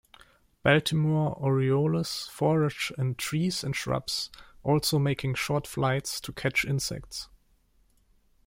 Baltimore orioles forage in trees and shrubs, also making short flights to catch insects.